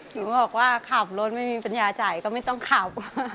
ถึงบอกว่าขับรถไม่มีปัญญาจ่ายก็ไม่ต้องขับ